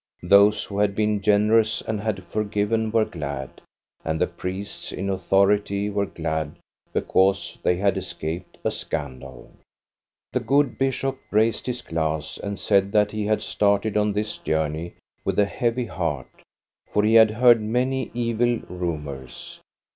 Those who had been generous and had for given were glad, and the priests in authority were glad because they had escaped a scandal. The good bishop raised his glass and said that he had started on this journey with a heavy heart, for he had heard many evil rumors.